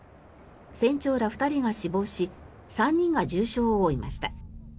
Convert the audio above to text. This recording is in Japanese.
船長ら２人が死亡し３人が重傷を負いました。